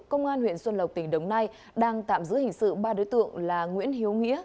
công an huyện xuân lộc tỉnh đồng nai đang tạm giữ hình sự ba đối tượng là nguyễn hiếu nghĩa